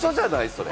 それ。